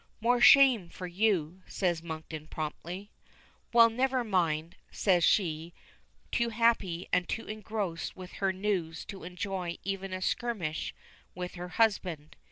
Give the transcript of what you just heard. "More shame for you," says Monkton promptly. "Well, never mind," says she, too happy and too engrossed with her news to enjoy even a skirmish with her husband.